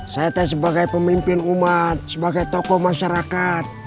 saya teh sebagai pemimpin umat sebagai toko masyarakat